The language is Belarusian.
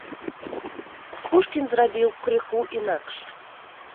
Пушкін зрабіў крыху інакш.